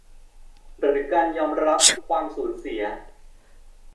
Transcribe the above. หรือการยอมรับความสูญเสีย